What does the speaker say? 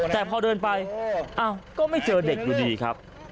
แต่พอเดินไปอ้าวก็ไม่เจอเด็กอยู่ดีครับ